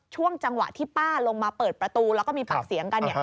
ช่วงจังหวะที่ป้าลงมาเปิดประตูแล้วก็มีปากเสียงกัน